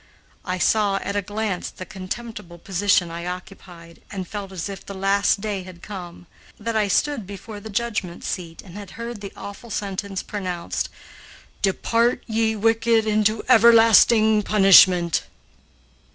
I saw at a glance the contemptible position I occupied and felt as if the last day had come, that I stood before the judgment seat and had heard the awful sentence pronounced, "Depart ye wicked into everlasting punishment."